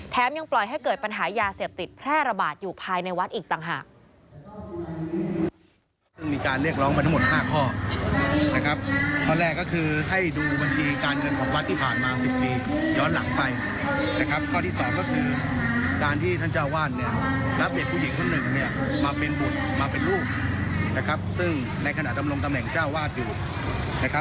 ยังปล่อยให้เกิดปัญหายาเสพติดแพร่ระบาดอยู่ภายในวัดอีกต่างหาก